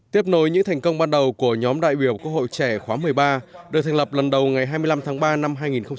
tiếp nối những thành công ban đầu của nhóm đại biểu quốc hội trẻ khóa một mươi ba được thành lập lần đầu ngày hai mươi năm tháng ba năm hai nghìn hai mươi